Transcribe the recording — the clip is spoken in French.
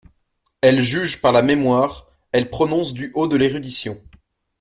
Elle juge par la mémoire, elle prononce du haut de l’érudition.